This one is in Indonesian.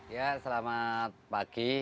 ya selamat pagi